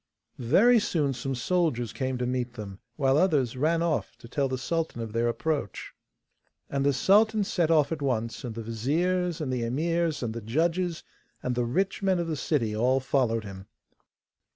Very soon some soldiers came to meet them, while others ran off to tell the sultan of their approach. And the sultan set off at once, and the viziers and the emirs, and the judges, and the rich men of the city, all followed him.